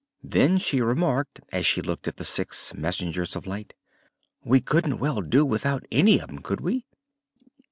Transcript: Then she remarked, as she looked at the six messengers of light: "We couldn't very well do without any of 'em; could we?"